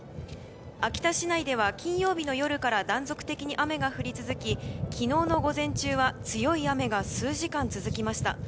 秋田市内では金曜日の夜から断続的に雨が降り続き昨日の午前中は強い雨が数時間続きました。